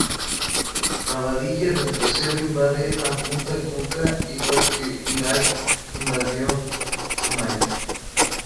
Rabadilla del Trasero invade a Punta Cuca igual que Irak invadió Kuwait.